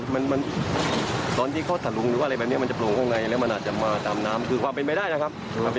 มันตอนที่เขาถลุงหรือว่าอะไรแบบนี้มันจะโปร่งข้างในแล้วมันอาจจะมาตามน้ำคือความเป็นไปได้นะครับ